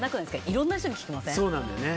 いろんな人に聞きません？